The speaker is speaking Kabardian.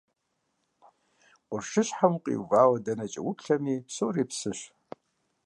Къуршыщхьэм укъиувэрэ дэнэкӀэ умыплъэми, псори псыщ.